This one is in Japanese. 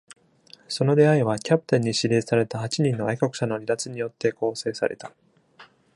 その出会いはキャプテンに指令された八人の愛国者の離脱によって構成された。